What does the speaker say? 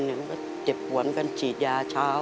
มันก็เจ็บหวนกันฉีดยาเช้า